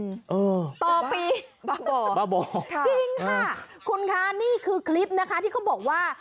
เออต่อปีบ้าบ่อบาบ่อค่ะจริงค่ะคุณคะนี่คือคลิปนะคะที่เขาบอกว่า